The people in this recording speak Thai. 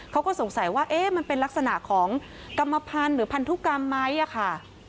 เขาก็สงสัยว่าเอ๊ะมันเป็นลักษณะของกรรมพันธุ์หรือพันธุกรรมไหมอะค่ะ